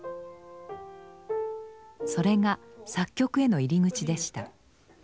それが作曲への入り口でした。